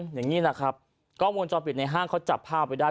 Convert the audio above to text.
อย่างงี้นะครับกล้องมูลจอเปลี่ยนในห้างเขาจับผ้าไปได้